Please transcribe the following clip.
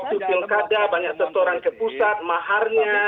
itu pilkada banyak setoran ke pusat maharnya